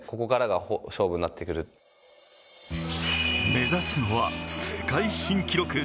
目指すのは世界新記録。